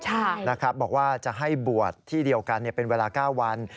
ใช่นะครับบอกว่าจะให้บวชที่เดียวกันเป็นเวลา๙วัน